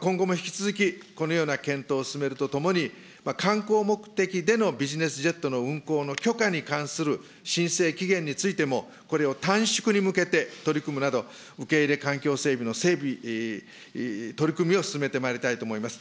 今後も引き続き、このような検討を進めるとともに、観光目的でのビジネスジェットの運航の許可に関する申請期限についても、これを短縮に向けて取り組むなど、受け入れ環境整備の整備、取り組みを進めてまいりたいと思います。